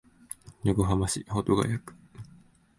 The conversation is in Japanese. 横浜市保土ケ谷区